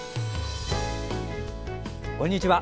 こんにちは。